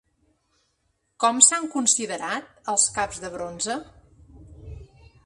Com s'han considerat els caps de bronze?